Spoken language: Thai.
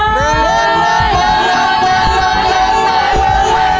หนึ่งมันหนึ่งมันหนึ่งมัน